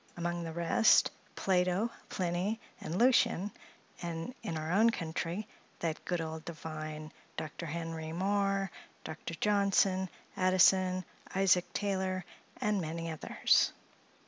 Among the rest, Plato, Pliny, and Lucien; and in our own country, that good old divine, Dr. Henry Moore, Dr. Johnson, Addison, Isaac Taylor, and many others.